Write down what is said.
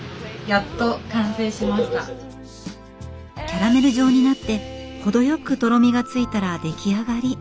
キャラメル状になって程よくとろみがついたら出来上がり。